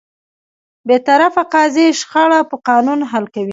بېطرفه قاضي شخړه په قانون حل کوي.